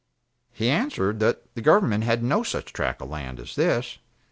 He answered, that the government had no such tract of land as this.